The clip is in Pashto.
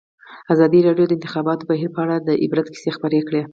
ازادي راډیو د د انتخاباتو بهیر په اړه د عبرت کیسې خبر کړي.